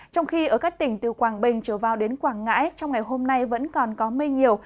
trong khi ở các tỉnh từ quảng bình trở vào đến quảng ngãi trong ngày hôm nay vẫn còn có mây nhiều